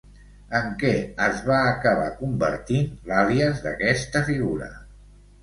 En què es va acabar convertint l'àlies d'aquesta figura?